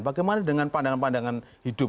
bagaimana dengan pandangan pandangan hidup